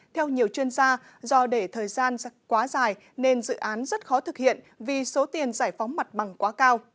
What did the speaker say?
theo nhiều chuyên gia do để thời gian quá dài nên dự án rất khó thực hiện vì số tiền giải phóng mặt bằng quá cao